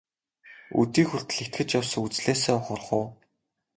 Өдий хүртэл итгэж явсан үзлээсээ ухрах уу?